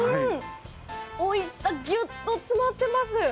おいしさギュッと詰まってます。